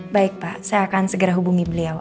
baik pak saya akan segera hubungi beliau